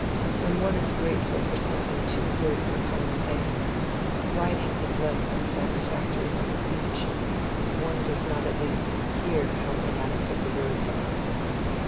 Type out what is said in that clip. When one is grateful for something too good for common thanks, writing is less unsatisfactory than speech—one does not at least hear how inadequate the words are."